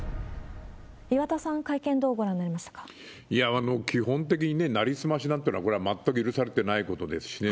岩田さん、会見、いや、基本的に成り済ましなんてのは全く許されてないことですしね。